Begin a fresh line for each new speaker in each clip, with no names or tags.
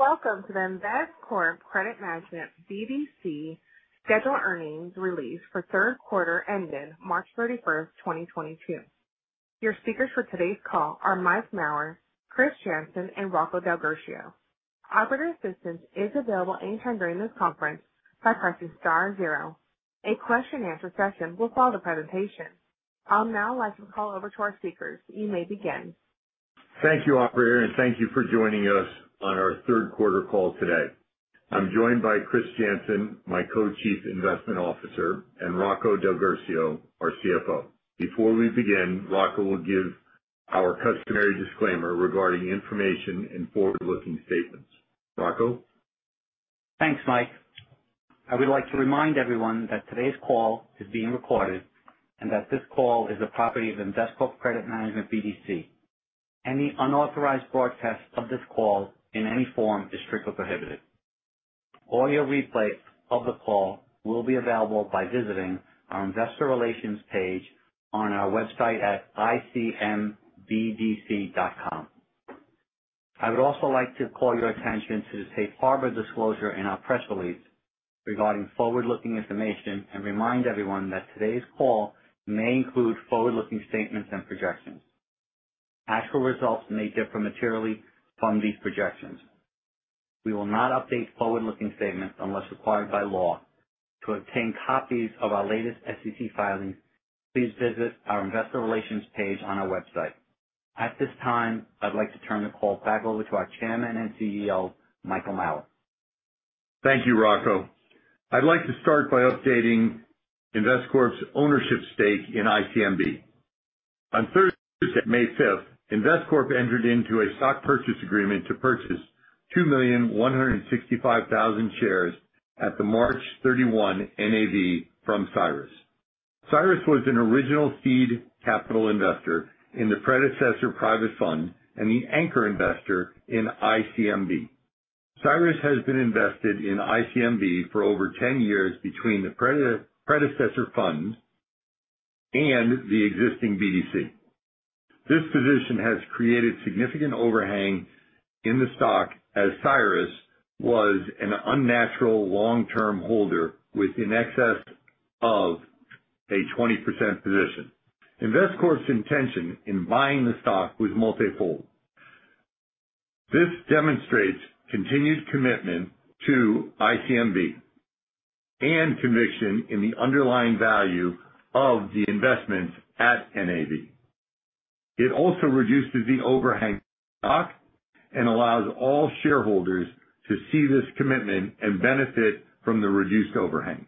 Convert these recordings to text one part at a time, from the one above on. Welcome to the Investcorp Credit Management BDC Scheduled Earnings Release for 1/3 1/4 ended March 31, 2022. Your speakers for today's call are Mike Mauer, Christopher Jansen, and Rocco DelGuercio. Operator assistance is available anytime during this conference by pressing star zero. A question and answer session will follow the presentation. I'll now turn the call over to our speakers. You may begin.
Thank you, operator, and thank you for joining us on our 1/3 1/4 call today. I'm joined by Christopher Jansen, my Co-Chief Investment Officer, and Rocco DelGuercio, our CFO. Before we begin, Rocco will give our customary disclaimer regarding information and Forward-Looking statements. Rocco?
Thanks, Mike. I would like to remind everyone that today's call is being recorded and that this call is a property of Investcorp Credit Management BDC. Any unauthorized broadcast of this call in any form is strictly prohibited. Audio replay of the call will be available by visiting our investor relations page on our website at icmbdc.com. I would also like to call your attention to the safe harbor disclosure in our press release regarding Forward-Looking information and remind everyone that today's call may include Forward-Looking statements and projections. Actual results may differ materially from these projections. We will not update Forward-Looking statements unless required by law. To obtain copies of our latest SEC filings, please visit our investor relations page on our website. At this time, I'd like to turn the call back over to our Chairman and CEO, Michael Mauer.
Thank you, Rocco. I'd like to start by updating Investcorp's ownership stake in ICMB. On Thursday, May 5, Investcorp entered into a stock purchase agreement to purchase 2,165,000 shares at the March 31 NAV from Cyrus. Cyrus was an original seed capital investor in the predecessor private fund and the anchor investor in ICMB. Cyrus has been invested in ICMB for over 10 years between the predecessor fund and the existing BDC. This position has created significant overhang in the stock as Cyrus was an unnatural long-term holder with in excess of a 20% position. Investcorp's intention in buying the stock was multifold. This demonstrates continued commitment to ICMB and conviction in the underlying value of the investments at NAV. It also reduces the overhang stock and allows all shareholders to see this commitment and benefit from the reduced overhang.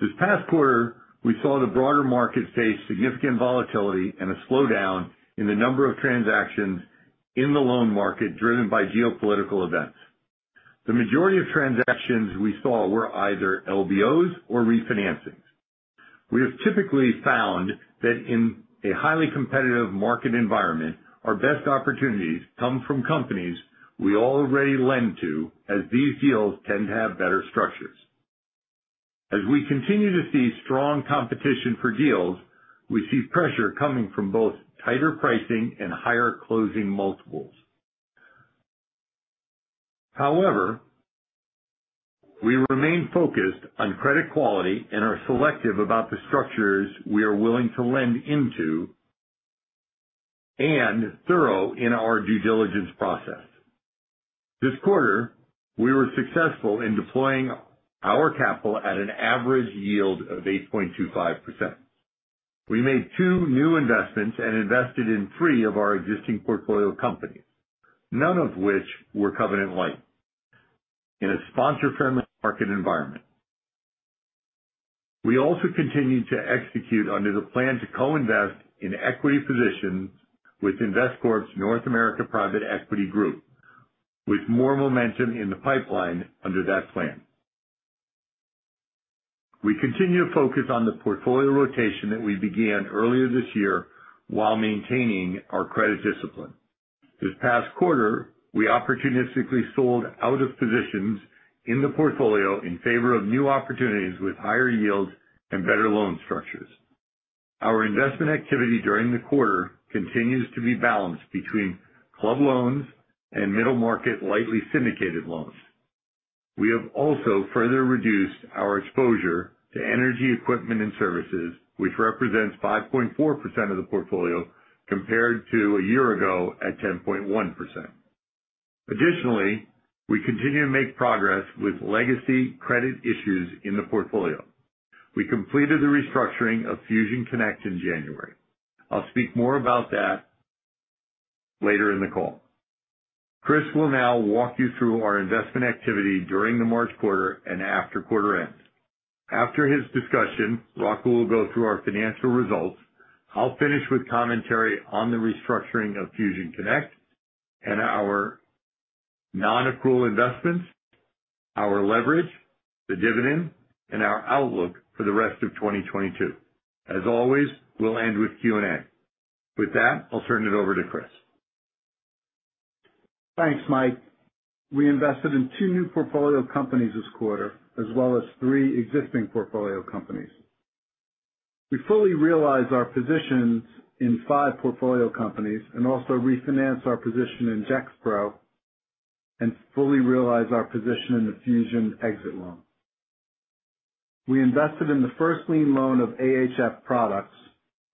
This past 1/4, we saw the broader market face significant volatility and a slowdown in the number of transactions in the loan market driven by geopolitical events. The majority of transactions we saw were either LBOs or refinancings. We have typically found that in a highly competitive market environment, our best opportunities come from companies we already lend to, as these deals tend to have better structures. As we continue to see strong competition for deals, we see pressure coming from both tighter pricing and higher closing multiples. However, we remain focused on credit quality and are selective about the structures we are willing to lend into and thorough in our due diligence process. This 1/4, we were successful in deploying our capital at an average yield of 8.25%. We made 2 new investments and invested in 3 of our existing portfolio companies, none of which were covenant light in a Sponsor-Friendly market environment. We also continued to execute under the plan to Co-Invest in equity positions with Investcorp's North American Private Equity Group, with more momentum in the pipeline under that plan. We continue to focus on the portfolio rotation that we began earlier this year while maintaining our credit discipline. This past 1/4, we opportunistically sold out of positions in the portfolio in favor of new opportunities with higher yields and better loan structures. Our investment activity during the 1/4 continues to be balanced between club loans and middle-market lightly syndicated loans. We have also further reduced our exposure to energy equipment and services, which represents 5.4% of the portfolio, compared to a year ago at 10.1%. Additionally, we continue to make progress with legacy credit issues in the portfolio. We completed the restructuring of Fusion Connect in January. I'll speak more about that later in the call. Christopher will now walk you through our investment activity during the March 1/4 and after 1/4 ends. After his discussion, Rocco will go through our financial results. I'll finish with commentary on the restructuring of Fusion Connect and our Non-Accrual investments, our leverage, the dividend, and our outlook for the rest of 2022. As always, we'll end with Q&A. With that, I'll turn it over to Christopher.
Thanks, Mike. We invested in 2 new portfolio companies this 1/4, as well as 3 existing portfolio companies. We fully realize our position in 5 portfolio companies and also refinance our position in JexPro and fully realize our position in the Fusion exit loan. We invested in the first lien loan of AHF Products,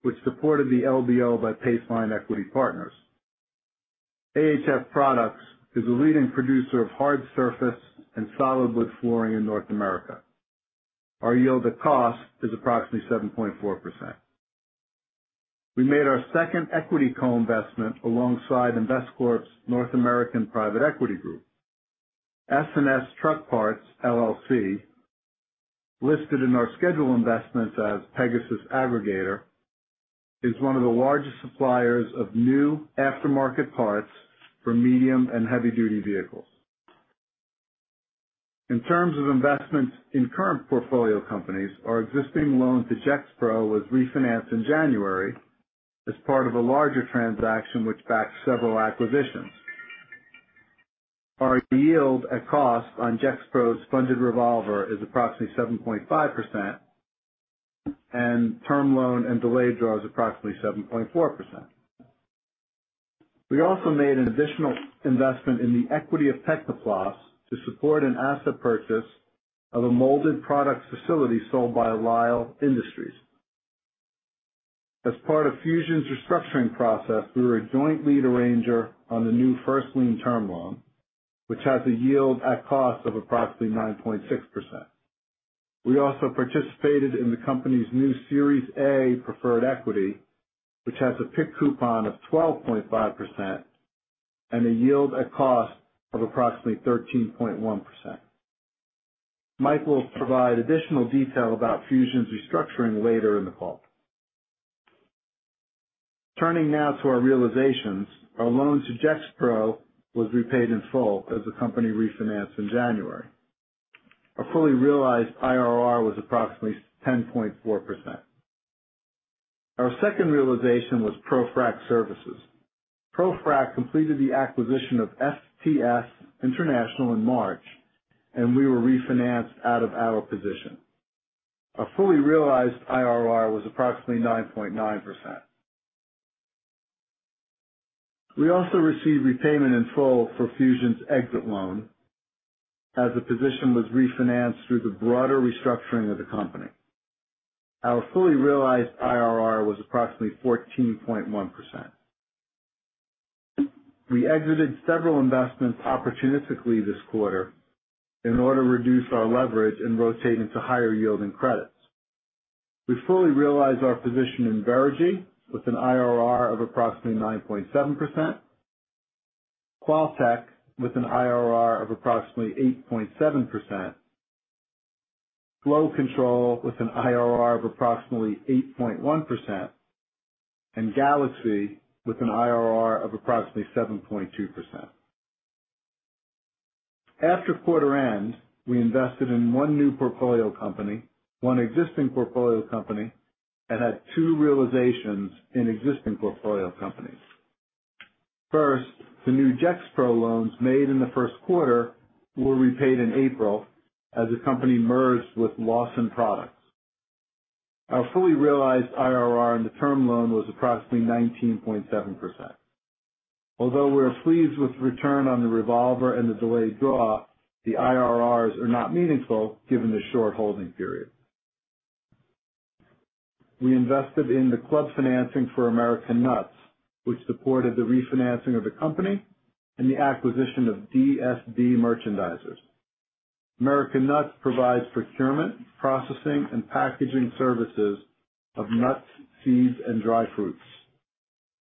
which supported the LBO by Paceline Equity Partners. AHF Products is a leading producer of hard surface and solid wood flooring in North America. Our yield at cost is approximately 7.4%. We made our second equity Co-Investment alongside Investcorp's North American Private Equity Group. S&S Truck Parts LLC, listed in our schedule investments as Pegasus Aggregator, is one of the largest suppliers of new aftermarket parts for medium and Heavy-Duty vehicles. In terms of investments in current portfolio companies, our existing loan to JexPro was refinanced in January as part of a larger transaction which backed several acquisitions. Our yield at cost on JexPro's funded revolver is approximately 7.5%, and term loan and delayed draw is approximately 7.4%. We also made an additional investment in the equity of Techniplas to support an asset purchase of a molded products facility sold by Lydall. As part of Fusion's restructuring process, we were a joint lead arranger on the new first lien term loan, which has a yield at cost of approximately 9.6%. We also participated in the company's new Series A preferred equity, which has a PIK coupon of 12.5% and a yield at cost of approximately 13.1%. Mike will provide additional detail about Fusion's restructuring later in the call. Turning now to our realizations. Our loan to JexPro was repaid in full as the company refinanced in January. Our fully realized IRR was approximately 10.4%. Our second realization was ProFrac Services. ProFrac completed the acquisition of FTS International in March, and we were refinanced out of our position. Our fully realized IRR was approximately 9.9%. We also received repayment in full for Fusion's exit loan as the position was refinanced through the broader restructuring of the company. Our fully realized IRR was approximately 14.1%. We exited several investments opportunistically this 1/4 in order to reduce our leverage and rotate into higher yielding credits. We fully realize our position in Verigy with an IRR of approximately 9.7%, Qualtek with an IRR of approximately 8.7%, Flow Control with an IRR of approximately 8.1%, and Galaxy with an IRR of approximately 7.2%. After 1/4 end, we invested in one new portfolio company, one existing portfolio company, and had 2 realizations in existing portfolio companies. First, the new JexPro loans made in the first 1/4 were repaid in April as the company merged with Lawson Products. Our fully realized IRR in the term loan was approximately 19.7%. Although we are pleased with the return on the revolver and the delayed draw, the IRRs are not meaningful given the short holding period. We invested in the club financing for American Nuts, which supported the refinancing of the company and the acquisition of DSD Merchandisers. American Nuts provides procurement, processing, and packaging services of nuts, seeds, and dried fruits.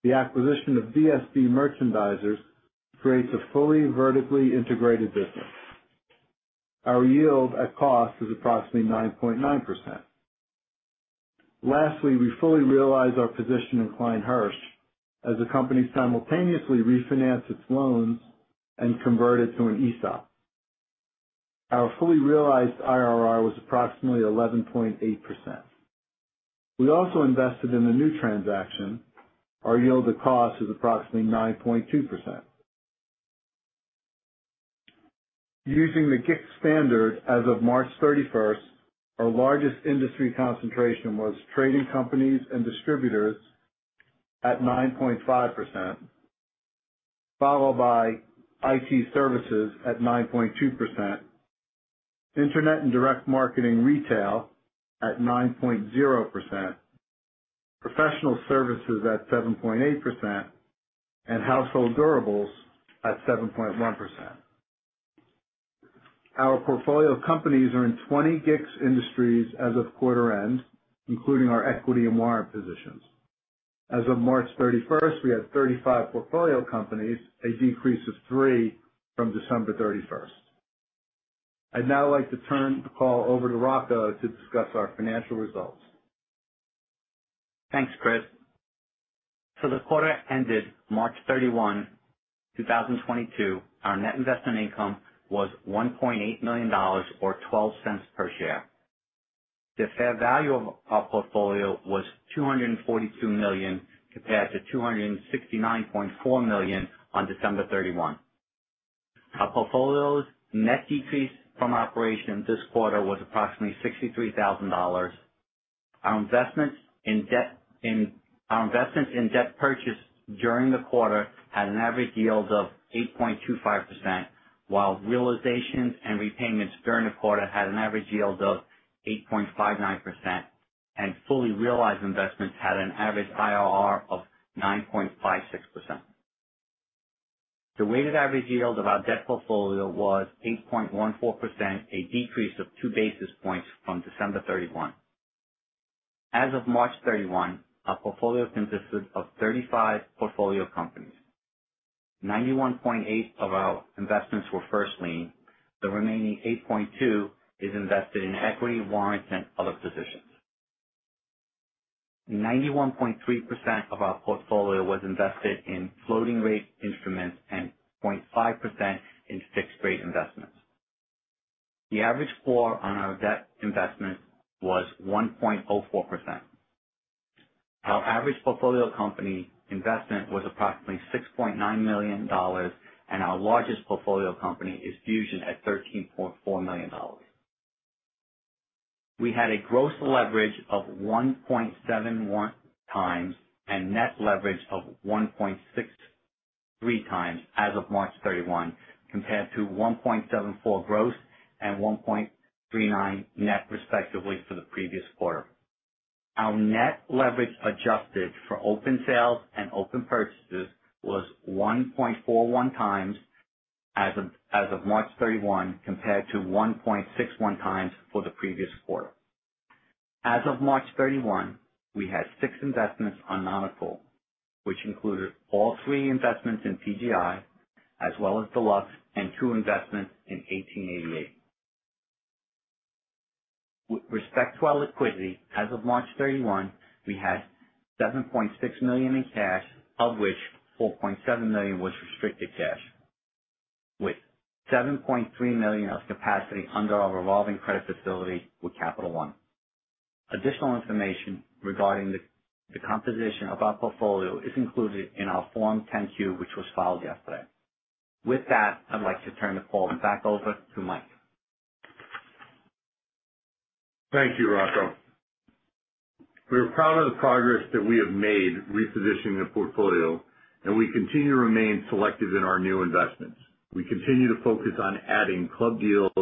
The acquisition of DSD Merchandisers creates a fully vertically integrated business. Our yield at cost is approximately 9.9%. Lastly, we fully realize our position in Kline's / Hr's as the company simultaneously refinanced its loans and converted to an ESOP. Our fully realized IRR was approximately 11.8%. We also invested in a new transaction. Our yield at cost is approximately 9.2%. Using the GICS standard, as of March 31, our largest industry concentration was trading companies and distributors at 9.5%, followed by IT services at 9.2%, internet and direct marketing retail at 9.0%, professional services at 7.8%, and household durables at 7.1%. Our portfolio companies are in 20 GICS industries as of 1/4 end, including our equity and warrant positions. As of March 31, we had 35 portfolio companies, a decrease of 3 from December 31. I'd now like to turn the call over to Rocco to discuss our financial results.
Thanks, Christopher. For the 1/4 ended March 31, 2022, our net investment income was $1.8 million or $0.12 per share. The fair value of our portfolio was $242 million compared to $269.4 million on December 31. Our portfolio's net decrease from operation this 1/4 was approximately $63,000. Our investments in debt purchased during the 1/4 had an average yield of 8.25%, while realizations and repayments during the 1/4 had an average yield of 8.59%, and fully realized investments had an average IRR of 9.56%. The w8ed average yield of our debt portfolio was 8.14%, a decrease of 2 basis points from December 31. As of March 31, our portfolio consisted of 35 portfolio companies. 91.8% of our investments were first lien. The remaining 8.2% is invested in equity warrants and other positions. 91.3% of our portfolio was invested in floating rate instruments and 0.5% in fixed rate investments. The average score on our debt investments was 1.04%. Our average portfolio company investment was approximately $6.9 million, and our largest portfolio company is Fusion at $13.4 million. We had a gross leverage of 1.71 times and net leverage of 1.63 times as of March 31, compared to 1.74 gross and 1.39 net, respectively, for the previous 1/4. Our net leverage, adjusted for open sales and open purchases, was 1.41 times as of March 31, compared to 1.61 times for the previous 1/4. As of March 31, we had 6 investments on Non-accrual, which included all 3 investments in PGi, as well as Deluxe and 2 investments in 1888. With respect to our liquidity, as of March 31, we had $7.6 million in cash, of which $4.7 million was restricted cash, with $7.3 million of capacity under our revolving credit facility with Capital One. Additional information regarding the composition of our portfolio is included in our Form 10-Q, which was filed yesterday. With that, I'd like to turn the call back over to Mike.
Thank you, Rocco. We are proud of the progress that we have made repositioning the portfolio, and we continue to remain selective in our new investments. We continue to focus on adding club deals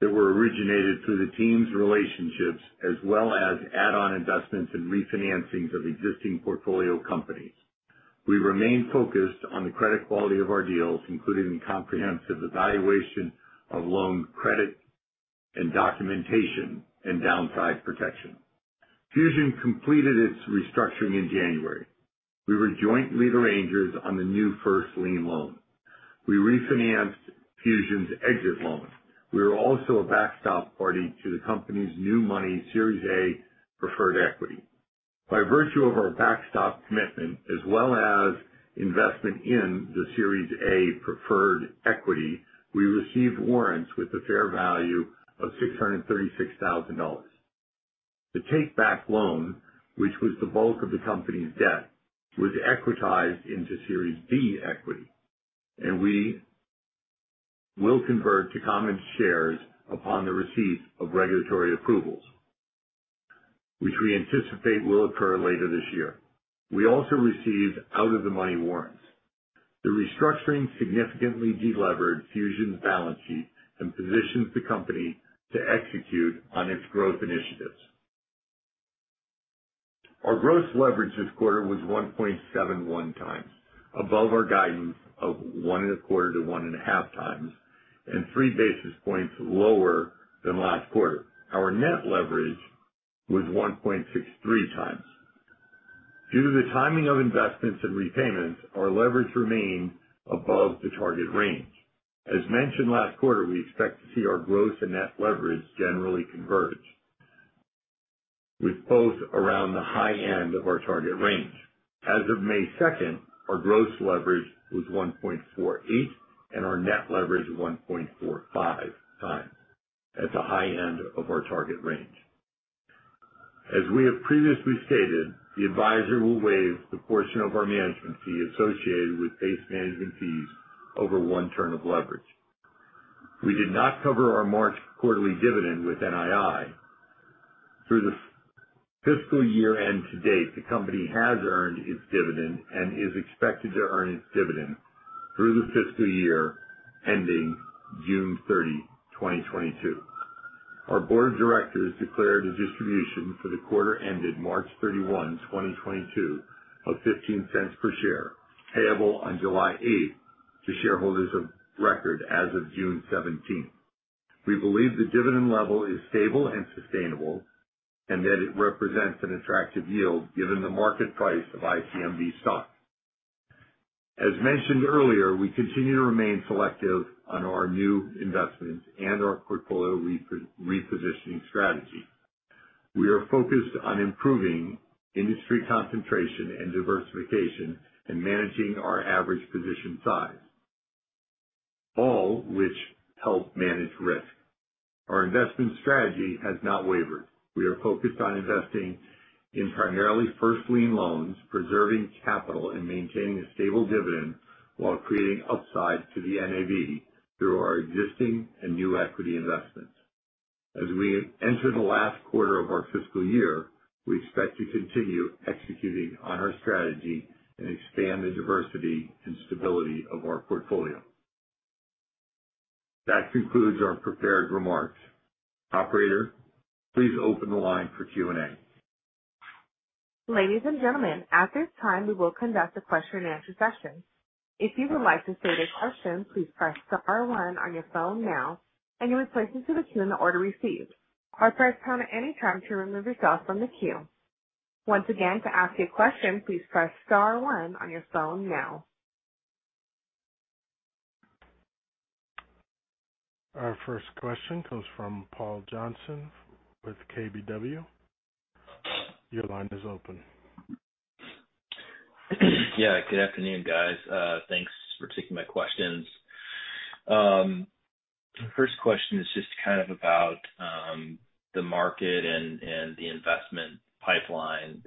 that were originated through the team's relationships as well as Add-On investments and refinancings of existing portfolio companies. We remain focused on the credit quality of our deals, including the comprehensive evaluation of loan credit and documentation and downside protection. Fusion completed its restructuring in January. We were joint lead arrangers on the new first lien loan. We refinanced Fusion's exit loan. We were also a backstop party to the company's new money Series A preferred equity. By virtue of our backstop commitment as well as investment in the Series A preferred equity, we received warrants with a fair value of $636,000. The take-back loan, which was the bulk of the company's debt, was equitized into Series B equity, and we will convert to common shares upon the receipt of regulatory approvals, which we anticipate will occur later this year. We also received out-of-the-money warrants. The restructuring significantly de-levered Fusion Connect's balance sheet and positions the company to execute on its growth initiatives. Our gross leverage this 1/4 was 1.71 times, above our guidance of 1.25-1.5 times, and 3 basis points lower than last 1/4. Our net leverage was 1.63 times. Due to the timing of investments and repayments, our leverage remained above the target range. As mentioned last 1/4, we expect to see our gross and net leverage generally converge, with both around the high end of our target range. As of May 2, our gross leverage was 1.48 and our net leverage 1.45 times. That's the high end of our target range. As we have previously stated, the advisor will waive the portion of our management fee associated with base management fees over one turn of leverage. We did not cover our March quarterly dividend with NII. Through the fiscal year end to date, the company has earned its dividend and is expected to earn its dividend through the fiscal year ending June 30, 2022. Our board of directors declared a distribution for the 1/4 ended March 31, 2022 of $0.15 per share, payable on July 8 to shareholders of record as of June 17. We believe the dividend level is stable and sustainable and that it represents an attractive yield given the market price of ICMB stock. As mentioned earlier, we continue to remain selective on our new investments and our portfolio repositioning strategy. We are focused on improving industry concentration and diversification and managing our average position size, all which help manage risk. Our investment strategy has not wavered. We are focused on investing in primarily first lien loans, preserving capital and maintaining a stable dividend while creating upside to the NAV through our existing and new equity investments. As we enter the last 1/4 of our fiscal year, we expect to continue executing on our strategy and expand the diversity and stability of our portfolio. That concludes our prepared remarks. Operator, please open the line for Q&A.
Ladies and gentlemen, at this time, we will conduct a question-and-answer session. If you would like to state a question, please press star one on your phone now and you will be placed into the queue in the order received. Or press pound at any time to remove yourself from the queue. Once again, to ask a question, please press star one on your phone now. Our first question comes from Paul Johnson with KBW. Your line is open.
Yeah, good afternoon, guys. Thanks for taking my questions. The first question is just kind of about the market and the investment pipeline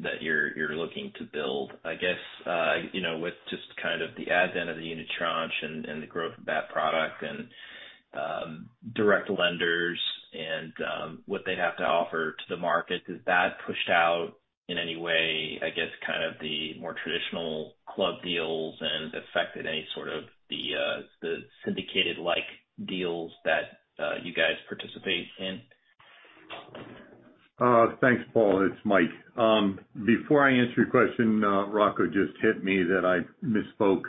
that you're looking to build. I guess you know, with just kind of the advent of the unitranche and the growth of that product and direct lenders and what they'd have to offer to the market, has that pushed out in any way, I guess kind of the more traditional club deals and affected any sort of the syndicated-like deals that you guys participate in?
Thanks, Paul. It's Mike. Before I answer your question, Rocco just hit me that I misspoke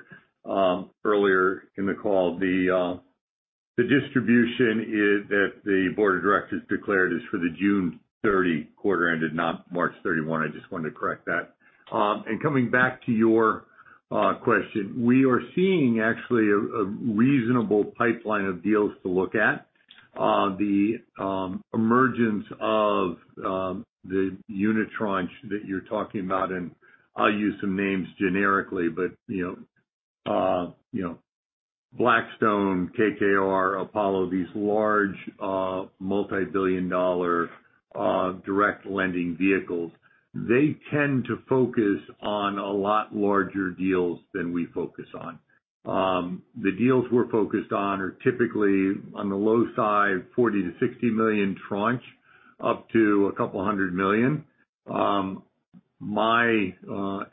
earlier in the call. The distribution that the board of directors declared is for the 1/4 ended June 30, not March 31. I just wanted to correct that. Coming back to your question. We are seeing actually a reasonable pipeline of deals to look at. The emergence of the unitranche that you're talking about, and I'll use some names generically, but you know, Blackstone, KKR, Apollo, these large Multibillion-Dollar direct lending vehicles. They tend to focus on a lot larger deals than we focus on. The deals we're focused on are typically on the low side, $40-$60 million tranche up to a couple hundred million. My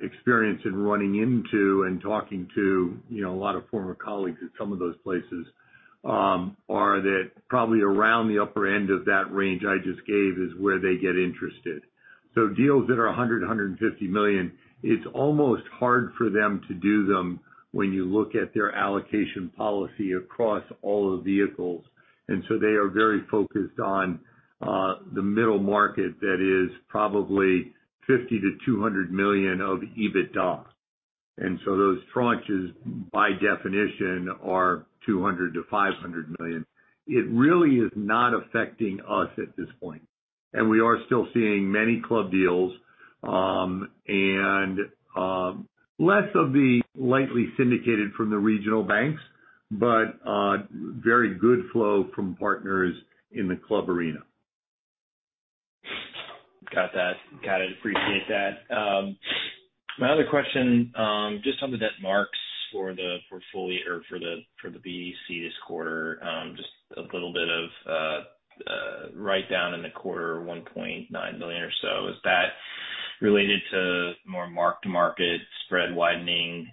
experience in running into and talking to, you know, a lot of former colleagues at some of those places, are that probably around the upper end of that range I just gave is where they get interested. Deals that are 100-150 million, it's almost hard for them to do them when you look at their allocation policy across all the vehicles. They are very focused on the middle market that is probably 50-200 million of EBITDA. Those tranches, by definition, are 200-500 million. It really is not affecting us at this point. We are still seeing many club deals, and less of the lightly syndicated from the regional banks, but very good flow from partners in the club arena.
Got that. Got it. Appreciate that. My other question, just on the debt marks for the portfolio or for the BDC this 1/4, just a little bit of write-down in the 1/4 $1.9 million or so. Is that related to more mark-to-market spread widening?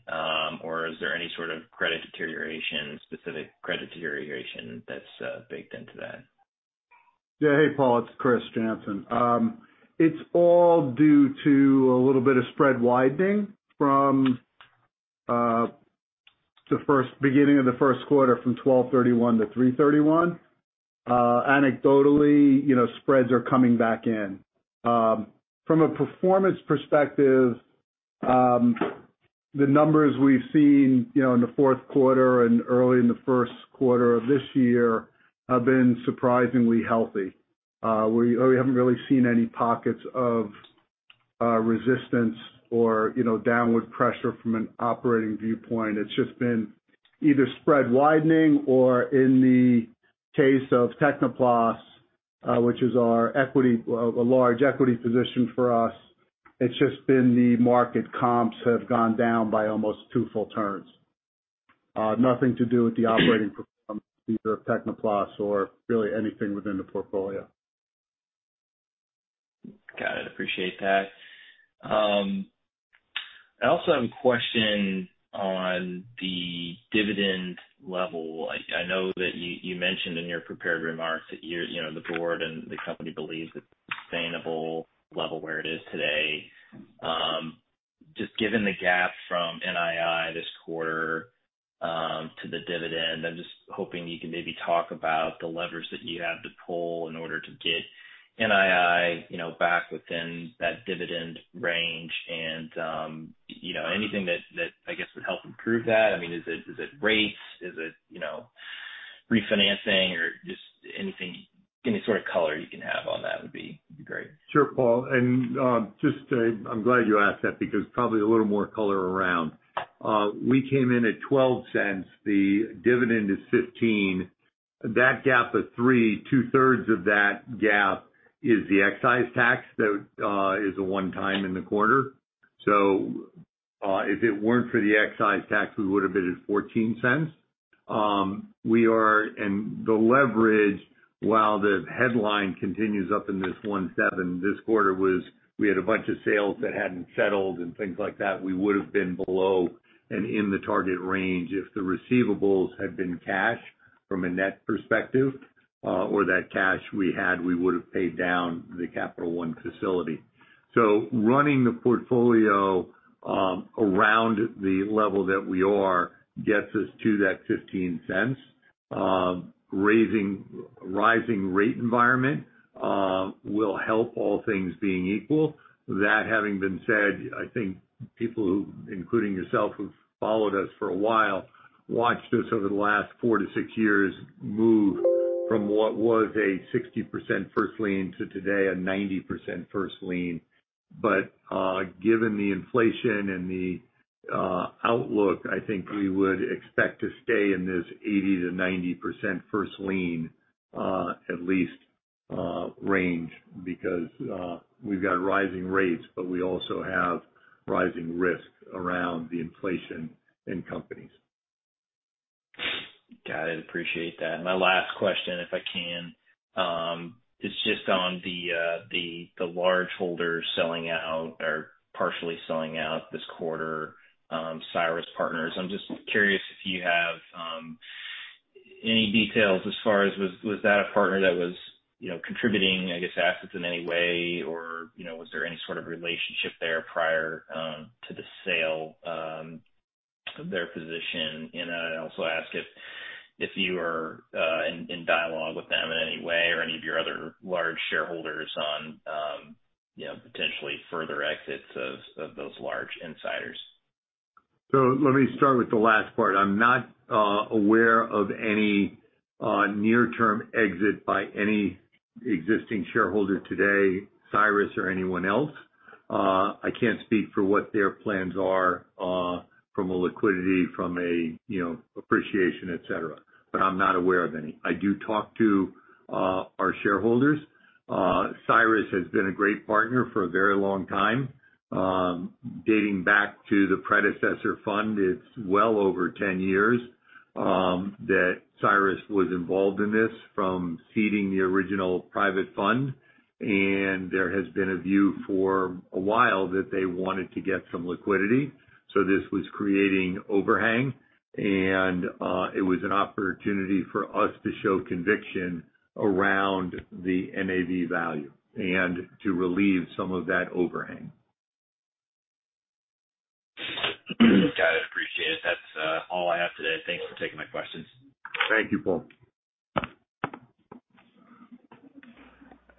Or is there any sort of credit deterioration, specific credit deterioration that's baked into that?
Yeah. Hey, Paul, it's Christopher Jansen. It's all due to a little bit of spread widening from the beginning of the first 1/4, from 12/31 to 3/31. Anecdotally, you know, spreads are coming back in. From a performance perspective, the numbers we've seen, you know, in the 4th 1/4 and early in the first 1/4 of this year have been surprisingly healthy. We haven't really seen any pockets of resistance or, you know, downward pressure from an operating viewpoint. It's just been either spread widening or in the case of Techniplas, which is our equity, a large equity position for us. It's just been the market comps have gone down by almost 2 full turns. Nothing to do with the operating performance either of Techniplas or really anything within the portfolio.
Got it. Appreciate that. I also have a question on the dividend level. I know that you mentioned in your prepared remarks that you're, you know, the board and the company believes it's sustainable level where it is today. Just given the gap from NII this 1/4 to the dividend, I'm just hoping you can maybe talk about the levers that you have to pull in order to get NII, you know, back within that dividend range. You know, anything that, I guess, would help improve that. I mean, is it rates? Is it, you know, refinancing or just anything, any sort of color you can have on that one?
Sure, Paul, just, I'm glad you asked that because probably a little more color around. We came in at $0.12. The dividend is $0.15. That gap of $0.03, 2-1/3s of that gap is the excise tax that is a one-time in the 1/4. If it weren't for the excise tax, we would have been at $0.14. The leverage, while the headline continues up in this 1.7 this 1/4 was, we had a bunch of sales that hadn't settled and things like that, we would have been below and in the target range if the receivables had been cash from a net perspective, or that cash we had, we would have paid down the Capital One facility. Running the portfolio around the level that we are gets us to that $0.15. Rising rate environment will help all things being equal. That having been said, I think people who, including yourself, who've followed us for a while, watched us over the last 4 to 6 years move from what was a 60% first lien to today a 90% first lien. Given the inflation and the outlook, I think we would expect to stay in this 80%-90% first lien at least range because we've got rising rates, but we also have rising risk around the inflation in companies.
Got it. Appreciate that. My last question, if I can, is just on the large holders selling out or partially selling out this 1/4, Cyrus Capital Partners. I'm just curious if you have any details as far as was that a partner that was, you know, contributing, I guess, assets in any way or, you know, was there any sort of relationship there prior to the sale of their position? I'd also ask if you are in dialogue with them in any way or any of your other large shareholders on, you know, potentially further exits of those large insiders.
Let me start with the last part. I'm not aware of any near-term exit by any existing shareholder today, Cyrus or anyone else. I can't speak for what their plans are from a liquidity, from a you know, appreciation, et cetera. I'm not aware of any. I do talk to our shareholders. Cyrus has been a great partner for a very long time dating back to the predecessor fund. It's well over 10 years that Cyrus was involved in this from seeding the original private fund, and there has been a view for a while that they wanted to get some liquidity. This was creating overhang and it was an opportunity for us to show conviction around the NAV value and to relieve some of that overhang.
Got it. Appreciate it. That's all I have today. Thanks for taking my questions.
Thank you, Paul.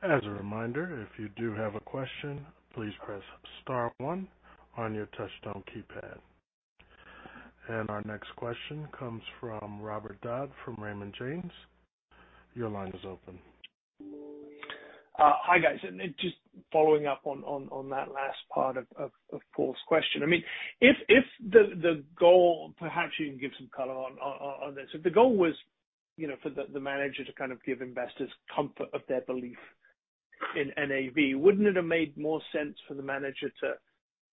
As a reminder, if you do have a question, please press star one on your touchtone keypad. Our next question comes from Robert Dodd from Raymond James. Your line is open.
Hi, guys. Just following up on that last part of Paul's question. I mean, if the goal perhaps you can give some color on this. If the goal was, you know, for the manager to kind of give investors comfort of their belief in NAV, wouldn't it have made more sense for the manager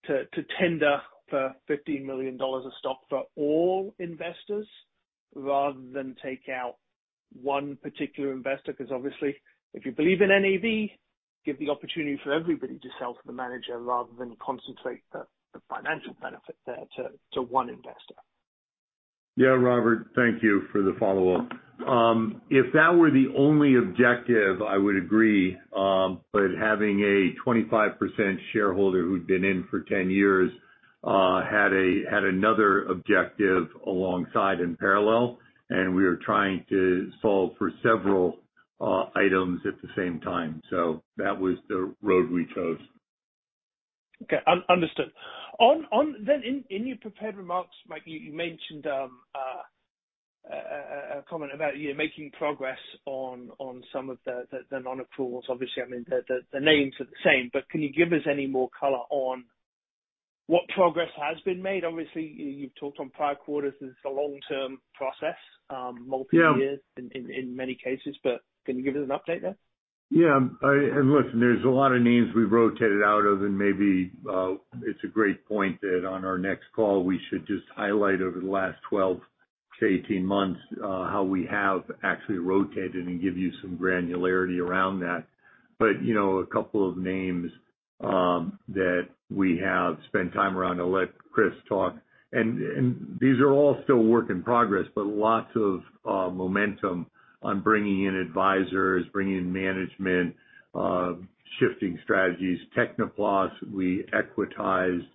to tender for $50 million of stock for all investors rather than take out one particular investor? Because obviously, if you believe in NAV, give the opportunity for everybody to sell to the manager rather than concentrate the financial benefit there to one investor.
Yeah. Robert, thank you for the Follow-Up. If that were the only objective, I would agree, but having a 25% shareholder who'd been in for 10 years, had another objective alongside and parallel, and we are trying to solve for several items at the same time. That was the road we chose.
Understood. And then, in your prepared remarks, Mike, you mentioned a comment about you making progress on some of the Non-accruals. Obviously, I mean, the names are the same, but can you give us any more color on what progress has been made? Obviously, you've talked in prior quarters, this is a long-term process.
Yeah.
Multiple years in many cases, but can you give us an update there?
Yeah. Listen, there's a lot of names we rotated out of and maybe it's a great point that on our next call, we should just highlight over the last 12-18 months how we have actually rotated and give you some granularity around that. You know, a couple of names that we have spent time around, I'll let Chris talk. These are all still work in progress, but lots of momentum on bringing in advisors, bringing in management, shifting strategies. Techniplus, we equitized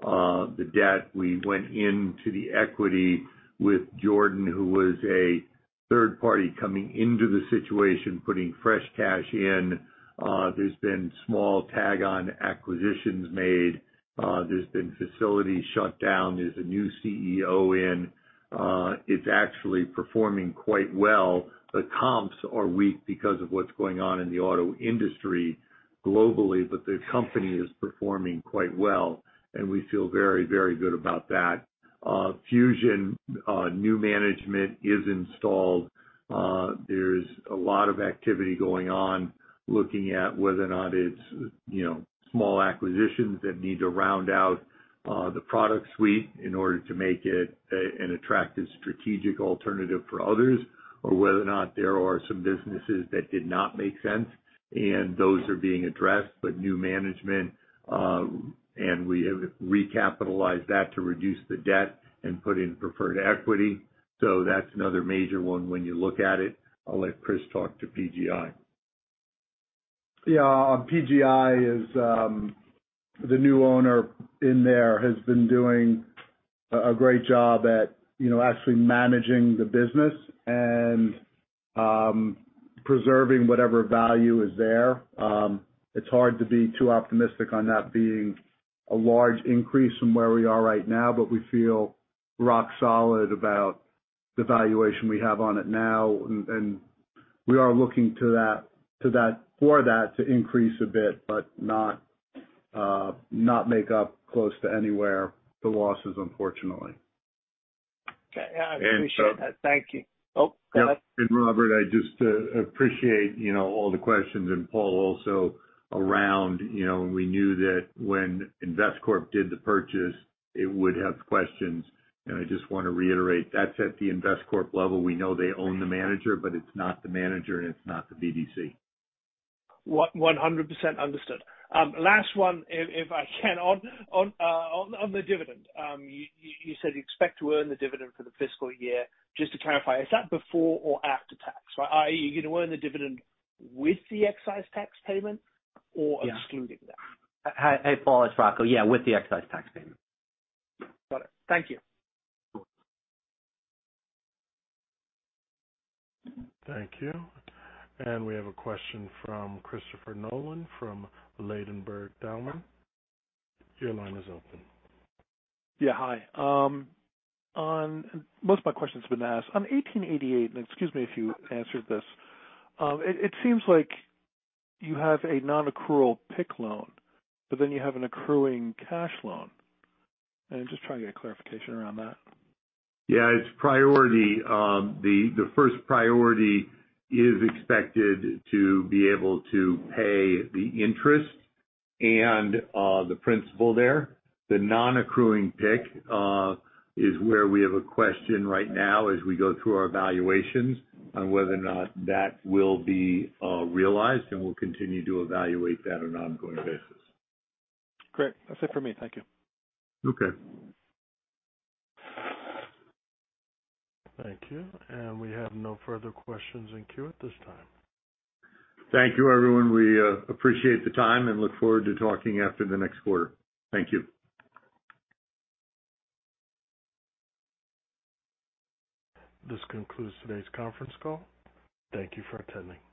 the debt. We went into the equity with Jordan, who was a 1/3 party coming into the situation, putting fresh cash in. There's been small tag-on acquisitions made. There's been facilities shut down. There's a new CEO in. It's actually performing quite well. The comps are weak because of what's going on in the auto industry globally, but the company is performing quite well, and we feel very, very good about that. Fusion, new management is installed. There's a lot of activity going on looking at whether or not it's, you know, small acquisitions that need to round out, the product suite in order to make it an attractive strategic alternative for others, or whether or not there are some businesses that did not make sense. Those are being addressed with new management, and we have recapitalized that to reduce the debt and put in preferred equity. That's another major one when you look at it. I'll let Chris talk to PG i.
Yeah. On PG i, the new owner in there has been doing a great job at, you know, actually managing the business and preserving whatever value is there. It's hard to be too optimistic on that being a large increase from where we are right now, but we feel rock solid about the valuation we have on it now. We are looking to that for that to increase a bit, but not make up close to anywhere the losses unfortunately.
Okay. I appreciate that. Thank you. Oh, go ahead.
Robert, I just appreciate, you know, all the questions and Paul also around, you know, we knew that when Investcorp did the purchase, it would have questions, and I just wanna reiterate that's at the Investcorp level. We know they own the manager, but it's not the manager and it's not the BDC.
100% understood. Last one if I can. On the dividend, you said you expect to earn the dividend for the fiscal year. Just to clarify, is that before or after tax, right? i.e., you're gonna earn the dividend with the excise tax payment or-
Yeah.
Excluding that?
Hi, Paul, it's Rocco. Yeah, with the excise tax payment.
Got it. Thank you.
Of course.
Thank you. We have a question from Christopher Nolan from Ladenburg Thalmann. Your line is open.
Most of my questions have been asked. On 1888, and excuse me if you answered this, it seems like you have a Non-accrual PIK loan, but then you have an accruing cash loan. I'm just trying to get clarification around that.
Yeah. It's priority. The first priority is expected to be able to pay the interest and the principal there. The Non-accruing PIK is where we have a question right now as we go through our valuations on whether or not that will be realized, and we'll continue to evaluate that on an ongoing basis.
Great. That's it for me. Thank you.
Okay.
Thank you. We have no further questions in queue at this time.
Thank you, everyone. We appreciate the time and look forward to talking after the next 1/4. Thank you.
This concludes today's conference call. Thank you for attending.